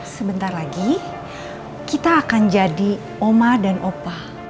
sebentar lagi kita akan jadi oma dan opa